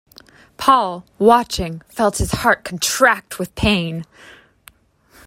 Paul, watching, felt his heart contract with pain.